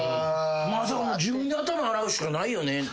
でも自分で頭洗うしかないよね。